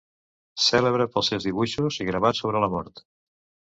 Cèlebre pels seus dibuixos i gravats sobre la mort.